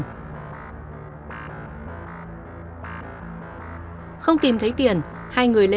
tại đây người đàn ông đã tìm thấy ví xong tiền thì đã mất hết chỉ còn lại giấy tờ tùy thân